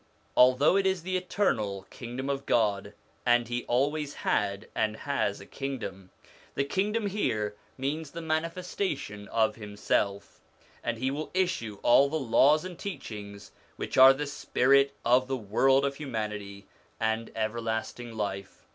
Although it is the Eternal Kingdom of God, and He always had, and has, a Kingdom, the Kingdom here means the manifestation of Himself ; l and He will issue all the laws and teachings which are the spirit of the world of humanity, and everlasting life.